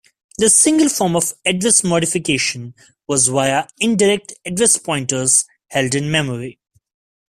The single form of address modification was via indirect address pointers held in memory.